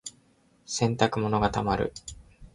洗濯物が溜まる。